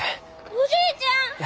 おじいちゃん！